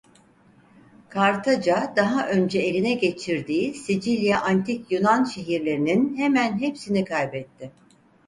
Kartaca daha önce eline geçirdiği Sicilya antik Yunan şehirlerinin hemen hepsini kaybetti.